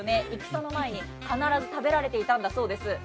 戦の前に必ず食べられていたんだそうです。